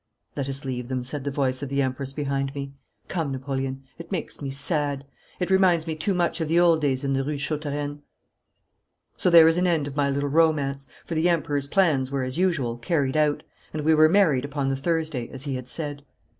'Let us leave them,' said the voice of the Empress behind me. 'Come, Napoleon. It makes me sad! It reminds me too much of the old days in the Rue Chautereine.' So there is an end of my little romance, for the Emperor's plans were, as usual, carried out, and we were married upon the Thursday, as he had said.